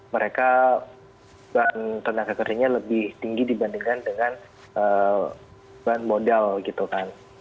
mereka bahan tenaga kerjanya lebih tinggi dibandingkan dengan bahan modal gitu kan